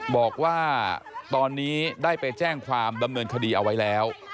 บอกว่าตอนนี้ได้ไปแจ้งความดำเนินคดีเอาไว้แล้ว